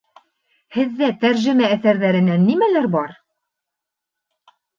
Һеҙҙә тәржемә әҫәрҙәренән нимәләр бар?